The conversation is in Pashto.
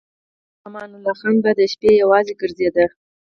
امان الله خان به د شپې یوازې ګرځېده.